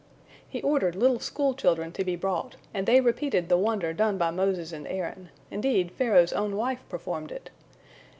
He ordered little school children to be brought, and they repeated the wonder done by Moses and Aaron; indeed, Pharaoh's own wife performed it.